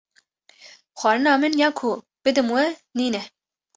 Xwarina min ya ku bidim we nîne.